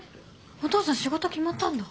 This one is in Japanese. お父さん仕事決まったんだ。